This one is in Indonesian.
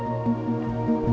kok diem sih saya tanya